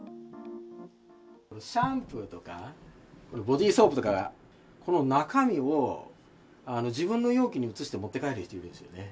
シャンプーとか、ボディーソープとかが、この中身を自分の容器に移して持って帰る人、いるんですよね。